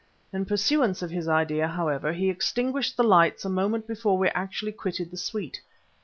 In pursuance of his idea, however, he extinguished the lights a moment before we actually quitted the suite.